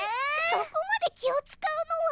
そこまで気を遣うのは。